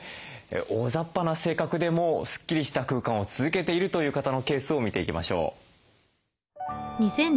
大ざっぱな性格でもスッキリした空間を続けているという方のケースを見ていきましょう。